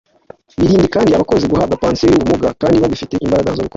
birinda kandi abakozi guhabwa pansiyo y’ubumuga kandi bari bagifite imbaraga zo gukora